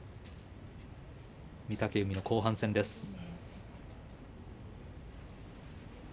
御嶽海の後半戦です。